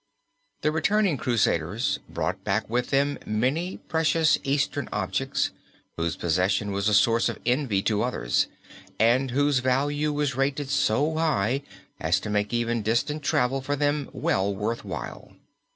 The returning crusaders brought back with them many precious Eastern objects whose possession was a source of envy to others and whose value was rated so high as to make even distant travel for them well worth while.